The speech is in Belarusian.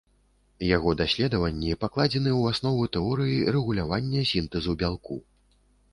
Яго даследванні пакладзены ў аснову тэорыі рэгулявання сінтэзу бялку.